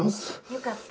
よかった。